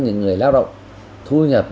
những người lao động thu nhập